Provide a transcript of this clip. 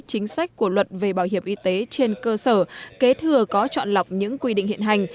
chính sách của luật về bảo hiểm y tế trên cơ sở kế thừa có chọn lọc những quy định hiện hành